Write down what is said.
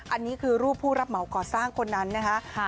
อันนี้คือรูปผู้รับเหมาก่อสร้างคนนั้นนะคะ